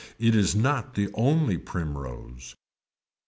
It is not the only primrose.